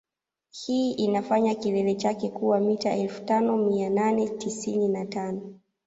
Hii inafanya kilele chake kuwa mita elfu tano mia nane tisini na tano